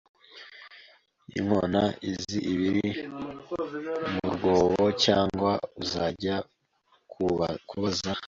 Inkona izi ibiri mu rwoboCyangwa uzajya kubaza